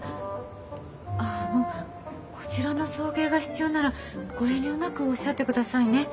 あのこちらの送迎が必要ならご遠慮なくおっしゃってくださいね。